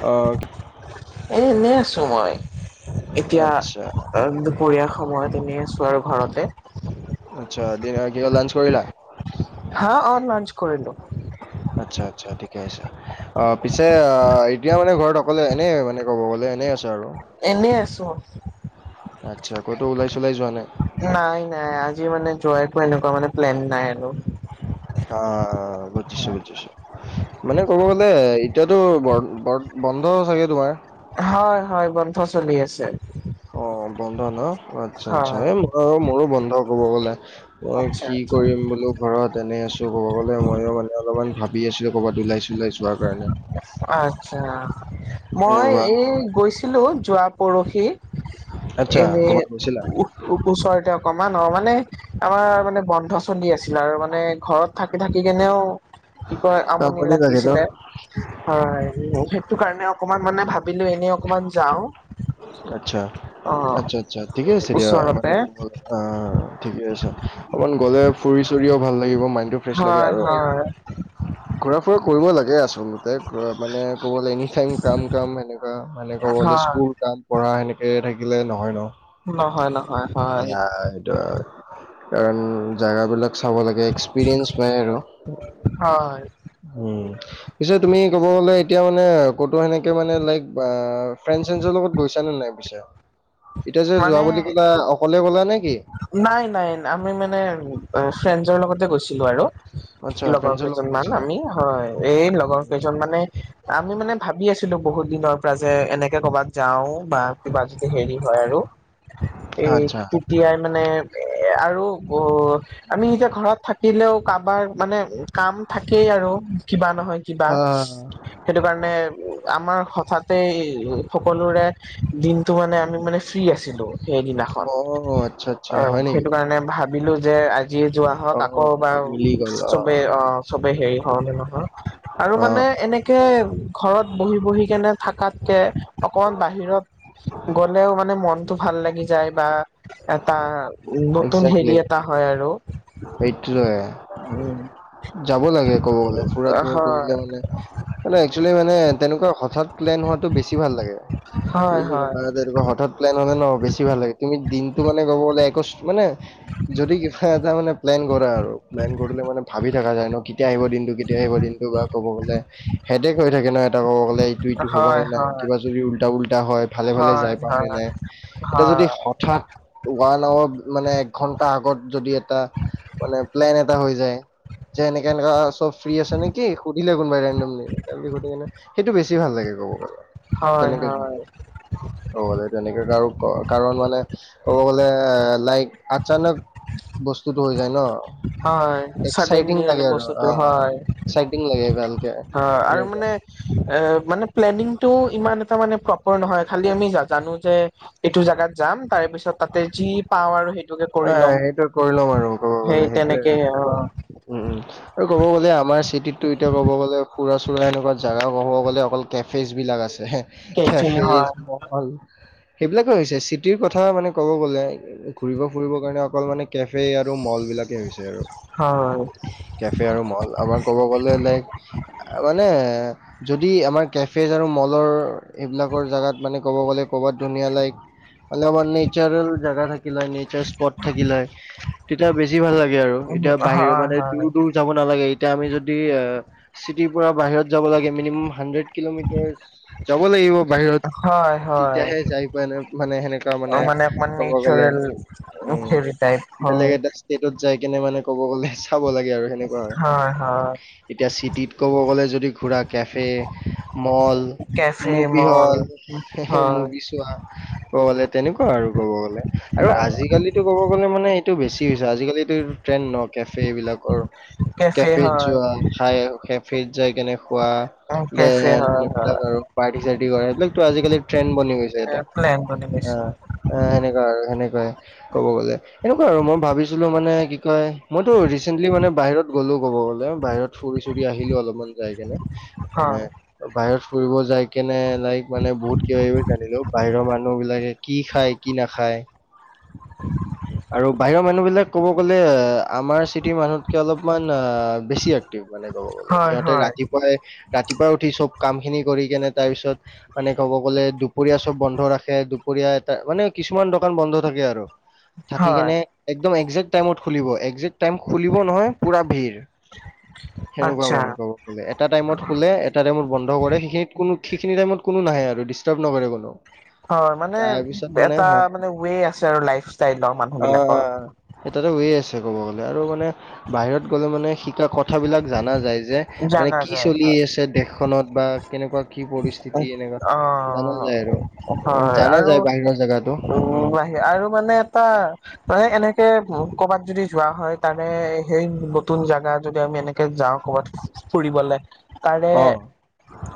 অ। এই এনে আছোঁ মই এতিয়া আচ্ছা, অ। পৰিয়া সময়ত এনেই আছোঁ আৰু ঘৰতে। আচ্ছা ডিনাৰ কিবা লাঞ্চ কৰিলা। হা অ লাঞ্চ কৰিলো। আচ্ছা আচ্ছা ঠিকে আছে। অ পিছে এতিয়া মানে ঘৰত অকলে এনেই মানে ক'ব গ'লে এনেই আছে আৰু। এনেই আছো। আচ্ছা ক'তো লাই চলাই যোৱা নাই। নাই নাই আজি মানে যোৱা একো এনেকুৱা মানে প্লেন নাই আৰু। অ অ বুজিছো বুজিছো। মানে ক'ব গ'লে এতিয়াতো ব ব বন্ধ চাগে তোমাৰ। হয় হয় বন্ধ চলি আছে। অ বন্ধ ন আচ্ছা আচ্ছা হয় এই মই মোৰো বন্ধ কব গলে। অ আচ্ছা কি কৰিম বুলো। ঘৰত এনেই আছো ক'ব গ'লে ময়ো মানে অলপমান ভাবি আছিলো কৰ'বাত ওলাই চলাই যোৱাৰ কাৰণে। আতচ্ছা মই সেনেকুৱা। এই গৈছিলো যোৱা পৰহি আচ্ছা, এনে। ক'ৰবাত গৈছিলা? ও ওচৰতে অকমান অ মানে আৰু মানে আমাৰ মানে বন্ধ চলি আছিল আৰু মানে ঘৰত। থাকি থাকি কেনেও কি কয় আমনি লাগে ন? লাগিছিলে হয় সেইটো কাৰণে অকমান মানে ভাবিলো এনেই অকমান যাও আচ্ছা অ আচ্ছা আচ্ছা ঠিকে আছে দিয়া ওচৰতে অ ঠিকে আছে অকমান গলে ফুৰি চুৰিও ভাল লাগিব মাইনটো ফ্ৰেচ লাগে হয় আৰু হয় ঘূৰা ফুৰা কৰিব লাগে আচলতে মানে ক'ব এনিটাইম কাম কাম সনেকুৱা মানে ক'বলে হয় স্কুল কাম পঢ়া সনে কেনেকৈ থাকিলে নহয় ন নহয় নহয় হয় কাৰণ জেগাবিলাক চাব লাগে এক্সপিৰিয়েঞ্চ পাই আৰু হয় হম পিছে তুমি ক'ব গ'লে এতিয়া মানে ক'তো সেনেকে মানে লাইক ফ্ৰেন চেন্সৰ লগত গৈছানে নাই পিছে এতিয়া যে যোৱা মানে বুলি কলা অকলে গ'লা নে কি নাই নাই আমি মানে ফ্ৰেণ্জৰ লগতে গৈছিলো আৰু আচ্ছা, লগৰ ফ্ৰেণ্ডছৰ লগত কেইজন মান গৈছিলা। আমি হয় এই লগৰ কেইজন মানে আমি মানে ভাবি আছিলো বহুত দিনৰ পৰা যে এনেকে কৰ'বাত যাও বা বা জতে হেৰি হয় আৰু এই আচ্ছা। টু তিয়াই মানে আৰু গ আমি এতিয়া ঘৰত থাকিলেও কাৰোবাৰ মানে কাম থাকেই আৰু কিবা নহয় কিবা আ সেইটো কাৰণে আমাৰ হঠাতে সকলোৰে দিনটো মানে আমি মানে ফ্ৰী আছিলো অ আচ্ছা আচ্ছা অ হয় নেকি? সেইটো কাৰণে ভাবিলো যে যিয় যোৱা হওঁক আকৌ অ' বাৰ মিলি গ'ল চবেই অ চবে হেৰি হওঁ নে নহক আৰু অ', মানে অ' এনেকে ঘৰত বহি বহি কেনে থকাতকে অকমান বাহিৰত গ'লেও মানে মনটো ভাল লাগি যায় বা এটা উম নতুন হেৰি একজেক্টলি এটা হয় আৰু সেইটোৱে। উম যাব লাগে ক'ব গ'লে ফুৰা ঘুৰা কৰিলে মানে মানে একচুউলি মানে তেনেকুৱা হঠাৎ প্লেন হোৱাটো বেছি ভাল লাগে হয় হয় হয় যেনেকুৱা হঠাৎ প্লেন হলে ন বেছি ভাল লাগে তুমি দিনতটো মানে কব গলে একো মানে যদি কিবা এটা মানে প্লেন কৰা আৰু প্লেন কৰিলে মানে ভাবি থকা যায় নো কেতিয়া আহিব দিনটো কেতিয়া আহিব দিনটো বা ক'ব গলে হেদেক হৈ থাকে ন এটা ক'ব গ'লে এইটো এইটো হব হয় নে নাই হয় কিবা যদি উল্টা উল্টা হয় ভালে ভালে হয় যাই পাও হয় নে নাই। এটা যদি হয় হঠাৎ ওৱান আৱাৰ মানে এক ঘন্টা আগত যদি এটা মানে প্লেন এটা হৈ যায়। যে এনেকে এনেকা চব ফ্ৰী আছে নেকি সুধিলে কোনবাই ৰেনদোমলি সেইটো বেছি ভাল লাগে কব গলে হয় তেনেকে হয় যোৱাটো কব গলে তেনেকে কাৰ কাৰণ মানে ক'ব গ'লে এ লাইক আচানক বস্তুতটো হৈ যায় ন। হয় চডেনলি মানে বস্তুটো হয়। এক্সাইটিঙ লাগে গা - হয় আৰু মানে এ মানে প্লেনিংটো ইমান এটা মানে প্ৰপাৰ নহয় খালি আমি জানো যে এইটো জাগাত যাম তাৰে পিছত তাতে যি পাওঁ আৰু সেই অ সেইটো কৰি ল'ম আৰু ক'ব সেই গ'লে সেইটোয়ে তেনেকে আৰু অ সেনেকুৱা আৰু উম উম আৰু ক'ব গ'লে আমাৰ চিটিতটো এতিয়া ক'ব গ'লে ফুৰা চুৰা এনেকুৱা জাগা ক'ব গ'লে অকল কেফেজ বিলাক আছে হে কেফে কেফেজ হয় ইছ মক সেইবিলাকে হৈছে চিটিৰ কথা মানে ক'ব গ'লে ঘুৰিব ফুৰিব কাৰণে অকল মানে কেফে আৰু ম'ল বিলাকে হৈছে আৰু হয় কেফে আৰু মল আমাৰ ক'ব গলে লাইক মানে যদি আমাৰ কেফেজ আৰু ম'লৰ এইবিলাকৰ জেগাত মানে ক'ব গ'লে ক'ৰবাত ধুনীয়া লাইক অলমান নেচাৰেল জাগা থাকিল হয়। স্পট থাকিলে হয় তেতিয়া বেছি ভাল লাগে আৰু এতিয়া বাহিৰ মানে দূৰ দূৰ যাব নালাগে এতিয়া আমি যদি এ চিটিৰ পৰা বাহিৰত যাব লাগে মিনিমাম হাণ্ড্ৰেড কিলোমিটাৰ যাব লাগিব বাহিৰত হয় হয় হয় তেতিয়াহে যাই পোৱা এনে মানে সেনেকুৱা অ মানে অকমান ক'ব গ'লে নেচাৰেল উম হেৰি টাইপ বেলেগ হয় এটা ষ্টেটত যাই কেনে মানে ক'ব গ'লে চাব লাগে আৰু হয়, হয়। এতিয়া চিটিত ক'ব গ'লে যদি ঘূৰা cafe mall cafe movie mall হ'ল হয় [unintelligible] ক'ব গলে তেনেকুৱা আৰু ক'ব গ'লে আৰু আজি সেটো ক'ব গ'লে মানে এইটো বেছি হৈছে আজিকালিতো এই ট্ৰেণ্ড ন কেফে এই বিলাকৰ কেফে কেফেত হয় যোৱা খাই কেফেত যাই কেনে বা ট্ৰেইন কেফে আৰু হয় হয় ইবিলাক আৰু। পাৰ্টি চাৰ্টি কৰে এইবিলাকতো আজিকালি ট্ৰেণ্ড বনি গৈছে এটা প্লেন বনি গৈছে অ' অ', সেনেকুৱা আৰু সেনেকুৱাই ক'ব গ'লে এনেকুৱা আৰু মই ভাবিছিলোঁ মানে কি কয় মইতো ৰিচেণ্টলি মানে বাহিৰত গ'লো ক'ব গ'লে বাহিৰত ফুৰি চুৰি আহিলো অলপমান যাই কেনে মানে হয় বাহিৰত ফুৰিব যাই কেনে লাইক মানে বহুত কিবা কিবি জানিলো বাহিৰৰ মানুহ বিলাকে কি খায় কি নাখায় [inaudible] আৰু বাহিৰৰ মানুহ বিলাক ক'ব গ'লে আ আমাৰ চিটিৰ মানুহতকে অলপমান অ', বেছি এক্টিভ মানে ক'ব গলে হয় সিহঁতে হয় ৰাতিপুৱাই ৰাতিপুৱা উঠি চব কাম খিনি কৰি কেনে তাৰ পিছত মানে ক'ব গ'লে দুপৰীয়া চব বন্ধ ৰাখে দুপৰীয়া এটা মানে কিছুমান দোকান বন্ধ থাকে আৰু থাকি হয় কেনে একদম একজেক্ট টাইমত খুলিব একজেক্ট টাইম খুলিব নহয় পুৰা ভিৰ সেনেকুৱা আচ্ছা মানে কব এটা টাইমত খোলে এটা টাইমত বন্ধ কৰে সেইখিনি কোনো সেইখিনি টাইমত কোনো নাহে আৰু ডিষ্টাৰ্ব নকৰে কোনো হয় মানে তাৰপিছত মানে এটা হা মানে ৱে আছে আৰু লাইফ ষ্টাইলৰ মানে অ'। এটাতো ৱে আছে ক'ব গ'লে আৰু মানে বাহিৰত গ'লে মানে শিকা কথাবিলাক জানা যায় যে মানে জানা কি যায় চলি হয় আছে দেশখনত বা কেনেকুৱা কি পৰিস্থিতি এনেুৱা অ জানা যায় আৰু হয় জানা আৰু যায় বাহিৰৰ জেগাতো উম [unintelligible] আৰু মানে এটা মানে এনেকে কৰ'বাত যদি যোৱা হয় তাৰে সেই নতুন জাগা যদি আমি এনেকে যাও ক'বাত ফুৰিবলে তাৰে অ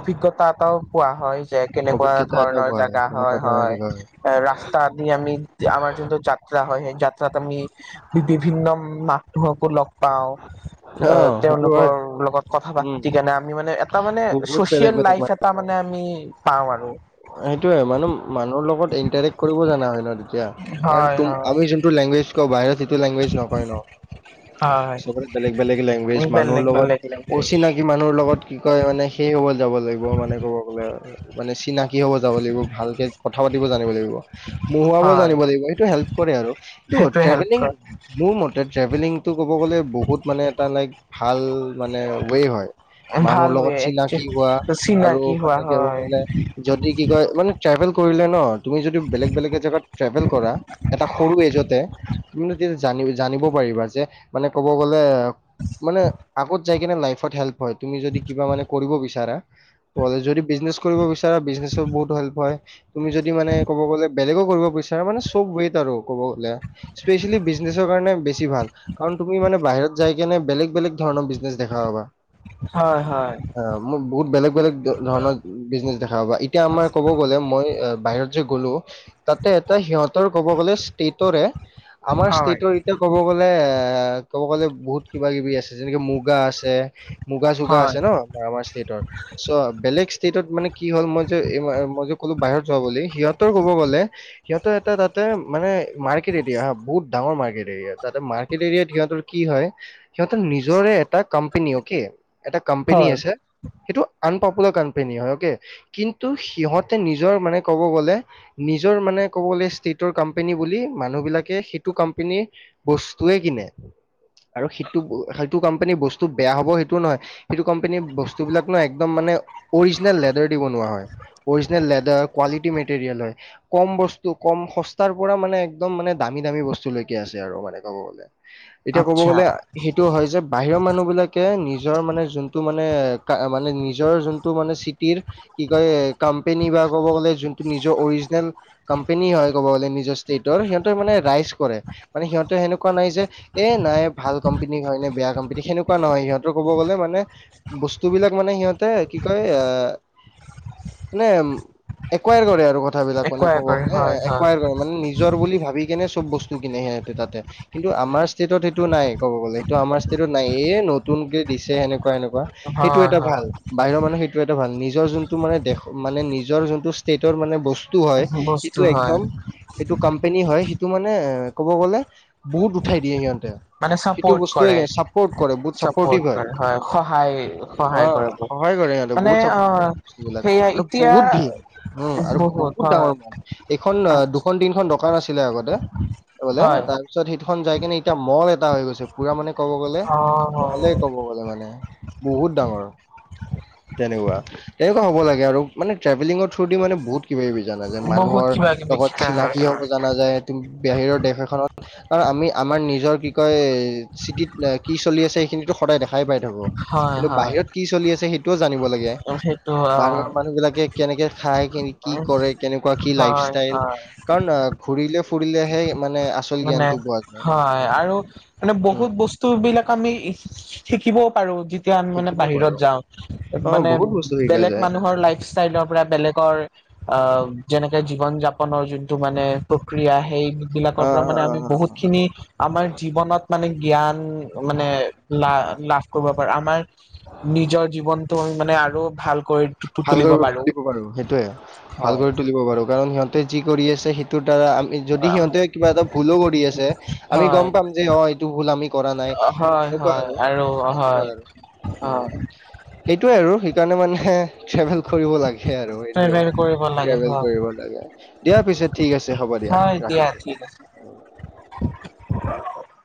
অভিজ্ঞতা এটাও পোৱা হয় যে কেনেকুৱা অভিজ্ঞতা এটা ধৰণৰ পোৱা জাগা কেনেকুৱা হয়, ধৰণৰ হয়। জেগা ৰাস্তা দি আমি আমাৰ যোনটো যা যাত্ৰা হয় সেই যাত্ৰাত আমি বিভিন্ন মানুহকো লগ পাওঁ অ', সেইটো হয় তেওঁলোকৰ লগত কথা উম পাতি কেনে আমি মানে এটা মানে বহুত বেলেগ ছ'চিয়েল বেলেগ লাইফ এটা আমি পাওঁ আৰু। সেইটোয়ে মানে মানুহৰ লগত ইণ্টাৰেক্ট কৰিব জানা হয় ন। টিয়া কাৰণ হয় টোম হয় আমি যোনটো লেংগুৱেজ কওঁ বাহিৰত সেইটো লেংগুৱেজ নকয় ন হয় চবৰে বেলেগ বেলেগ লেংগুৱেজ মানুহৰ বেলেগ লগত বেলেগ লেংগুৱেজ অচিনাকি মানু মানুহৰ লগত কি কয় মানে সে হ'ব যাব লাগিব মানে ক'ব হলে কি হ'ব যাব লাগিব ভালকে কথা পাতিব জানিব লাগিব মুহুৱাব হয় জানিব লাগিব সেইটো হেল্প কৰে আৰু কিন্তু সেইটোৱে হেল্প ট্ৰেভেলিং কৰে মোৰ মতে ট্ৰেভেলিং টো ক'ব গ'লে বহুত মানে এটা লাইক ভাল মানে ৱে হয় মানুহৰ ভাল ৱে লগত চিনাকি হো ৱা একচুৱেলি আৰু চিনাকি হোৱা মানে কি কব হয় গলে যদি কি কয় মানে ট্ৰেভেল কৰিলে ন তুমি যদি বেলেগ বেলেগ জাগাত ট্ৰেভেল কৰা এটা সৰু এজতে জানি জানিব পাৰিবা যে মানে ক'ব গ'লে মানে আগত জাই কেনে লাইফট হেল্প হয় তুমি যদি কিবা মানে কৰিব বিচৰা যদি বিজনেছ কৰিব বিচ বিজনেছত বহুত হেল্প হয়, তুমি যদি মানে কব গলে বেলেগে কৰিব বিচাৰে মানে চব ৱেত আৰু ক'ব গ'লে স্পেচিয়েলি বিজনেছৰ কাৰণে বেছি ভাল কাৰণ তুমি মানে বাহিৰত যাই কেনে বেলেগ বেলেগ ধৰণৰ বিজনেছ দেখা পাবা, হয় হয় অ মো বহুত বেলেগ বেলেগ ধৰণৰ বিজনেচ দেখ এতিয়া আমাৰ ক'ব গ'লে মই বাহিৰত যে গলোঁ তাতে এটা সিহঁতৰ ক'ব গ'লে ষ্টেটৰে আমাৰ হয় ষ্টেটৰ ৰে ক'ব গ'লে এ ক'ব গ'লে বহুত কিবা-কিবি আছে যেনেকে মুগা আছে মুগা-চুগা হয় আছে ন আমাৰ ষ্টেটৰ চ' বেলেগ ষ্টেটত মানে কি হ'ল মই যে মই যে কলো বাহিৰত যোৱা বুলি সিহঁতৰ কব গলে সিহঁতৰ এটাই তাতে মানে মাৰ্কেট এৰিয়া হা বহুত ডাঙৰ মাৰ্কেট এৰিয়া তাতে মাৰ্কেট এৰিয়াত সিহঁতৰ কি হয় সিহঁতৰ নিজৰে এটা কোম্পেনী অকে এটা কম্পেনী হয় আছে সেইটো আনপপুলাৰ কম্পেনী হয় অকে কিন্তু সিহঁতে নিজৰ মানে কব গলে নিজৰ মানে ক'ব গ'লে ষ্টেটৰ কম্পেনী বুলি মানুহ বিলাকে সেইটো কম্পেনী বস্তুয়ে কিনে আৰু সেইটো সেইটো কম্পেনীৰ বস্তু বেয়া হ'ব সেইটোও নহয় সেইটো কম্পেনীৰ বস্তুবিলাক ন একদম মানে অৰিজিনেল লেডাৰ দি বনোৱা হয় অৰিজিনেল লেদৰ কোৱালিটি মেৰিয়েল হয় কম বস্তু কম, সস্তাৰ পৰা মানে একদম মানে দামী দামী বস্তু লৈকে আছে আৰু মানে কব গলে এতিয়া কব আচ্ছা গলে সেইটো হয় যে বাহিৰৰ মানুহ বিলাকে নিজৰ মানে যোনটো মানে মানে নিজৰ যোনটো মানে চিটিৰ বা কি কয় কম্পেনী বা ক'ব গ'লে যোনটো নিজৰ অৰিজিনেল কম্পেনী হয় ক'ব গলে নিজৰ ষ্টেটৰ সিহঁতে মানে ৰাইজ কৰে মানে সিহঁতে সেনেকুৱা নাই যে এ নাই ভাল কম্পেনী হয় নে, বেয়া কম্পেনী সেনেকুৱা নহয় সিহঁতৰ ক'ব গ'লে মানে বস্তু বিলাক মানে সিহঁতে কি কয় এ মানে একুৱাৰ কৰে আৰু কথাবিলাক মানে একোৱাই ক'ব কৰে গলে হয় হয় একুৱাৰ কৰ মানে নিজৰ বুলি ভাবি কেনে চব বস্তু কিনে সিহঁতে তাতে কিন্তু আমাৰ ষ্টেটত এইেটো নাই ক'ব গ'লে এইটো আমাৰ ষ্টেটত নাই এই নতুনকে দিছে সেনেকুৱা এনেকুৱা সেইটো হয় এটা ভাল বাহিৰৰ মানুহ সেই টো এটা ভাল নিজৰ যোনটো মানে দেশৰ মানে নিজৰ যোনটো ষ্টেটৰ মানে বস টো হয় বস্তু সেইটো হয় একদম সেইটো কম্পেনী হয় সিটো মানে এ কব গ'লে বহুত উঠাই দিয়ে সিহঁতে মানে সেইটো চাপৰ্ট কৰে বস্তুৱে চাপৰ্ট কৰে বহুত চাপৰ্টিভ চাপৰ্ট হয়। কৰে সহায় সহায় কৰে অ মোক সহায় কৰে সিহঁতক মানে বহুত অ চাপৰ্ট বস্তুবিলাক সেয়া আৰু এতিয়া বহুত ভিৰ, হম আৰু বহুত ডাঙৰ ম এইখন না আচ্ছা দুখন তিনখন দকান আছিলে আগতে বোলে হয় তাৰ পিছত সেইটোখন যাই কিনে এতিয়া মল এটা হৈ গৈছে পুৰা মানে ক'ব গ'লে অ মলে কব কব গলে মানে বহুত ডাঙৰ তেনেকুৱা তেনেকুৱা হব লাগে আৰু মানে ট্ৰভেলিঙৰ থ্ৰু দি মানে বহুত কিবা কিবি জানা যায় বহুত মানুহৰ কিবা কিবি লগত শিকা হয় চিনাকি হ'ব জানা যায়, তোম বেহিৰৰ দেশ এখনত আৰু আমি-আমাৰ নিজৰ কি কয় চিটিত কি চলি আছে সেইখিনিতো সদায় দেখাই পাই থাকো হয় কিন্তু বাহিৰত কি চলি আছে সেইটোও জানিব লাগে। হেইত বাহিৰৰ মানুহ বিলাকে কেনেকে খাই কে কি কৰে কেনেকুৱা কি লাইফ হয় ষ্টাইল। হয় কাৰণ অ' ঘূৰিলে ফুৰিলেহে মানে আছ মানে হয় আৰু মানে উম, বহুত বস্ টো বিলাক আমি শি শি শিকিবও পাৰো যি যেতিয়া আমি মানে শিকিব বাহিৰত পাৰো যাও অ মানে বহুত বস্তু শিকা বেলেগ যায় মানুহৰ লাইফ ষ্টাইলৰ পুৰা বেলেকৰ অ', যেনেকে জীৱন যাপনৰ যোনটো মানে প্ৰক্ৰিয়া সেই অ', মি আমাৰ জীৱনত মানে জ্ঞান মানে লা-লাভ কৰিব পাৰো আমাৰ নিজৰ জীৱনটো মানে আৰু ভাল কৈ ভাল কৰি তুলিব পাৰো সেইটোয়ে ভাল হয় কৰি তুলিব পাৰো কাৰণ সিহ টে যি কৰি আছে সেইটোৰ দ্বাৰা আমি যদি সিহঁতে কিবা এটা ভুলো কৰি আছে আমি হয় গম পাম যে অ'এইটো ভুল আমি কৰা নাই। হয়, হয়, আৰু হয়, হয়। সেইটোৱে আৰু সেইকাৰণে মানে ট্ৰেভেল কৰিব লাগে আৰু সেইটোয়ে। পেমেণ্ট কৰিব লাগে ট্ৰেভেল হয় কৰিব লাগে, দিয়া পিছে ঠিক আছে হ'ব দিয়া হয় ৰাখিছো। ঠিক আছে